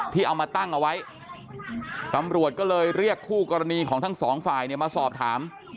ที่เอามาตั้งเอาไว้ตำรวจก็เลยเรียกคู่กรณีของทั้งสองฝ่ายเนี่ยมาสอบถาม